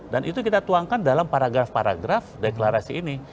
dan itu kita tuangkan dalam paragraf paragraf deklarasi ini